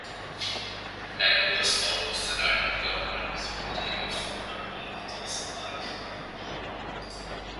Land was sold so that the government would have money to survive.